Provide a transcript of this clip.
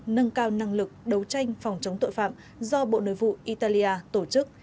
nâng cao năng lực đấu tranh phòng chống tội phạm do bộ nội vụ italia tổ chức